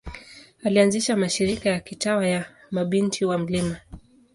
Alianzisha mashirika ya kitawa ya Mabinti wa Mt.